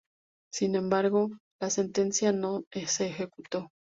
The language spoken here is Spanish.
Sin embargo, la sentencia no se ejecutó.